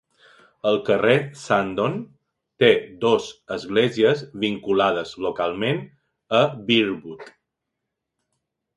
el carrer Sandon té dos esglésies vinculades localment a Bearwood.